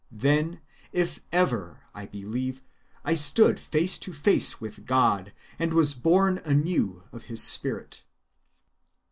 Then, if ever, I believe, I stood face to face with God, and was born anew of his spirit.